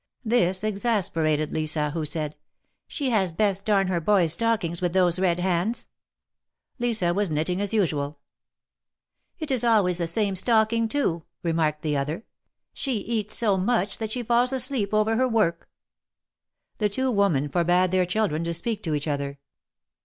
This exasperated Lisa, who said : She had best darn her boy's stockings with those red hands !" Lisa was knitting as usual. '^It is always the same stocking, too," remarked the other. She eats so much that she falls asleep over her work !" The two women forbade their children to speak to each other.